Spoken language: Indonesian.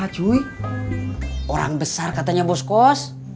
cuy orang besar katanya bos kos